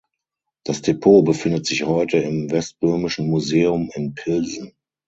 Das Depot befindet sich heute im Westböhmischen Museum in Pilsen.